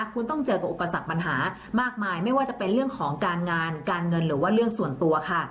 คุณต้องเจอกับอุปสรรคปัญหามากมายไม่ว่าจะเป็นเรื่องของการงานการเงินหรือว่าเรื่องส่วนตัวค่ะ